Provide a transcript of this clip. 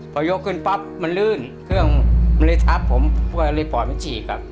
พอยกขึ้นปั๊บมันลื่นเครื่องมันเลยทับผมก็เลยปอดมันฉีกครับ